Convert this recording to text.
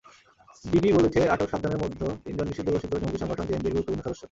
DB বলেছে, আটক সাতজনের মধ্যে তিনজন নিষিদ্ধঘোষিত জঙ্গি সংগঠন জেএমবির গুরুত্বপূর্ণ সদস্য।